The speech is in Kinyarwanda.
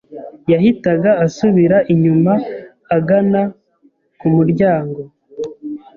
yahitaga asubira inyuma agana ku muryango.